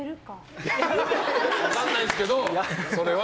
分からないですけど、それは。